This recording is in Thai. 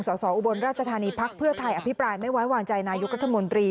สอบอุบลราชธานีพักเพื่อไทยอภิปรายไม่ไว้วางใจนายกรัฐมนตรี